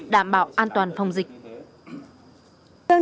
đảm bảo an toàn phòng dịch